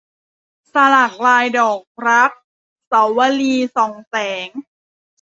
สลักลายดอกรัก - สวลี ส่องแสง